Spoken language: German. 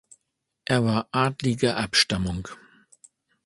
Er war adliger Abstammung.